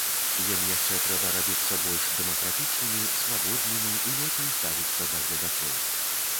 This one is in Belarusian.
Ім яшчэ трэба рабіцца больш дэмакратычнымі, свабоднымі і лепей ставіцца да гледачоў.